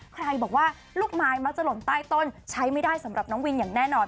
ใครบอกว่าลูกไม้มักจะหล่นใต้ต้นใช้ไม่ได้สำหรับน้องวินอย่างแน่นอน